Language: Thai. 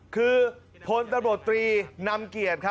คือพนตรรวจตรีนำมเกลียด